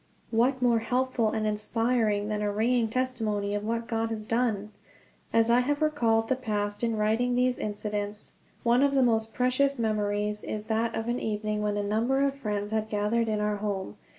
What more helpful and inspiring than a ringing testimony of what God has done? As I have recalled the past in writing these incidents, one of the most precious memories is that of an evening when a number of friends had gathered in our home.